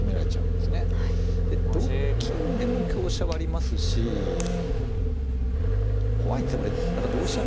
で同金でも香車はありますし怖いんですねこれ。